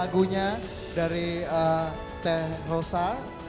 lagunya dari teh rosa